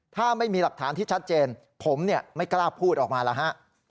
ถ้าไม่มีหลักฐานที่ชัดเจนผมไม่กล้าพูดออกมาแล้วฮะ